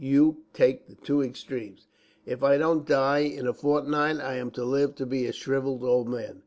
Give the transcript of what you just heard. You take the two extremes. If I don't die in a fortnight, I am to live to be a shrivelled old man.